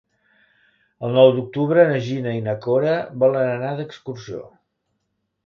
El nou d'octubre na Gina i na Cora volen anar d'excursió.